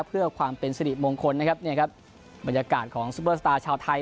เพื่อความเป็นสิริมงคลนะครับเนี่ยครับบรรยากาศของซุปเปอร์สตาร์ชาวไทย